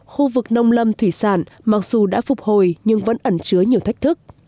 khu vực nông lâm thủy sản mặc dù đã phục hồi nhưng vẫn ẩn chứa nhiều thách thức